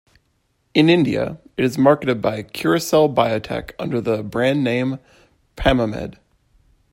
In India, it is marketed by Curacell Biotech under the brand name Pamimed.